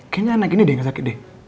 kayaknya anak ini deh yang gak sakit